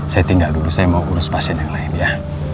saya tinggal dulu saya mau urus pasien yang lain ya